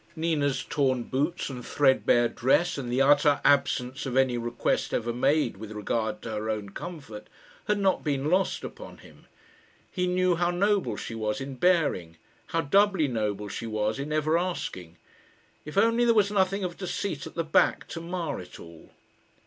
Nina's torn boots and threadbare dress, and the utter absence of any request ever made with regard to her own comfort, had not been lost upon him. He knew how noble she was in bearing how doubly noble she was in never asking. If only there was nothing of deceit at the back to mar it all!